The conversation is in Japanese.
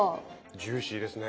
ジューシーですね。